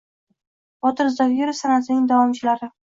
Botir Zokirov san’atining davomchilari